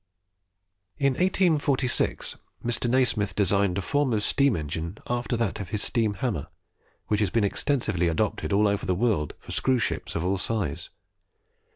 In 1846, Mr. Nasmyth designed a form of steam engine after that of his steam hammer, which has been extensively adopted all over the world for screw ships of all sizes.